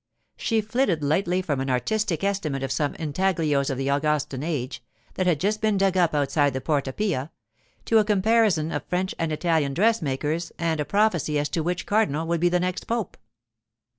She flitted lightly from an artistic estimate of some intaglios of the Augustan age, that had just been dug up outside the Porta Pia, to a comparison of French and Italian dressmakers and a prophecy as to which cardinal would be the next pope.